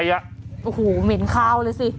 โอ้โหเหม็นคาวเลยสิ